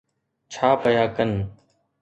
ڇا پيا ڪن.